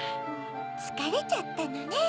つかれちゃったのね。